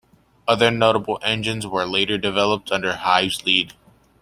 Other notable engines were later developed under Hives' lead.